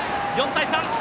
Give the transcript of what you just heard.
４対３！